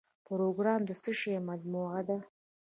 پروګرام د څه شی مجموعه ده؟